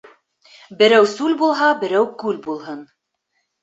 Берәү сүл булһа, берәү күл булһын.